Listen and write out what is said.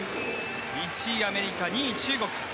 １位、アメリカ２位、中国。